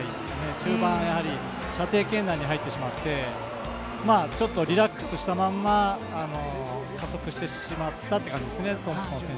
中盤、射程圏内に入ってしまってちょっとリラックスしたまんま、加速してしまったって感じですね。